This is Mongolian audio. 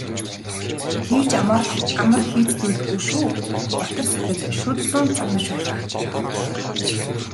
"Тэгж ч амар хийцлүүлэхгүй шүү" дотор сэтгэлдээ шүд зуун занаж байлаа.